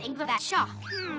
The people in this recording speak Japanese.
うん。